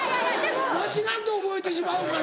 間違って覚えてしまうから。